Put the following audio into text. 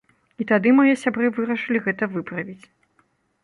І тады мае сябры вырашылі гэта выправіць.